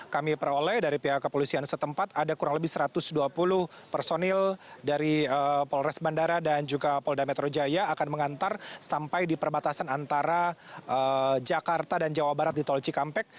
kami peroleh dari pihak kepolisian setempat ada kurang lebih satu ratus dua puluh personil dari polres bandara dan juga polda metro jaya akan mengantar sampai di perbatasan antara jakarta dan jawa barat di tol cikampek